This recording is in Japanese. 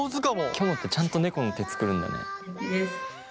きょもってちゃんと猫の手作るんだね。